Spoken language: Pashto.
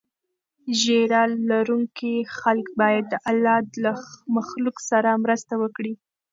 ږیره لرونکي خلک باید د الله له مخلوق سره مرسته وکړي.